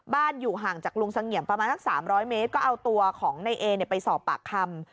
อยู่ห่างจากลุงเสงี่ยมประมาณสัก๓๐๐เมตรก็เอาตัวของในเอไปสอบปากคำ